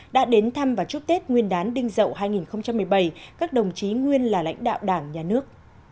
đã đến thăm và chúc tết nguyên đán đinh dậu hai nghìn một mươi bảy các đồng chí nguyên là lãnh đạo đảng nhà nước